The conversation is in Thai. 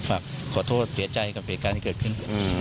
แถบขอโทษเตี๋ยวใจกับเป็นการที่เกิดขึ้น